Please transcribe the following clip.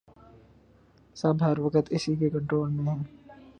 سب ہر وقت اسی کے کنٹرول میں ہیں